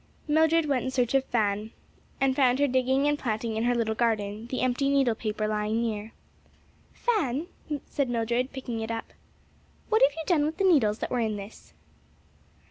Mildred went in search of Fan, and found her digging and planting in her little garden, the empty needle paper lying near. "Fan," said Mildred, picking it up, "What have you done with the needles that were in this?"